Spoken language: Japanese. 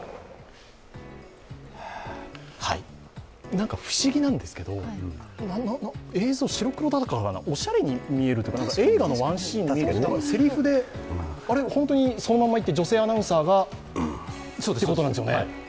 なんか不思議なんですけど、映像白黒だからかな、おしゃれに見えるというか、映画のワンシーンみたいな、せりふで、ほんとにそのままいって女性アナウンサーがってことですよね。